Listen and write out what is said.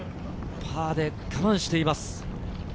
パーで我慢しています。